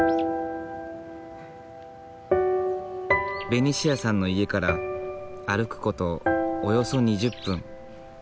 ベニシアさんの家から歩くことおよそ２０分。